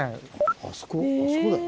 あそこだよ。